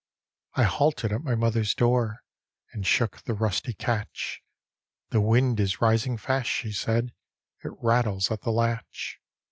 I halted at my mother's door And shook the rusty catch —" The wind is rising fast," she said, " It rattles at the latch."